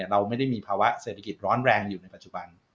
เราไม่ได้มีภาวะเศรษฐกิจร้อนแรงอยู่ในปัจจุบัน